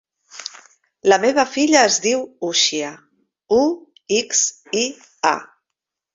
La meva filla es diu Uxia: u, ics, i, a.